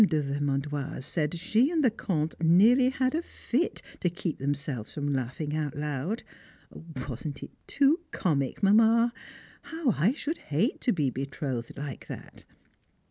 de Vermandoise said she and the Comte nearly had a fit to keep themselves from laughing out loud. Wasn't it too comic, Mamma? How I should hate to be betrothed like that!